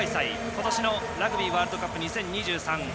今年のラグビーワールドカップ２０２３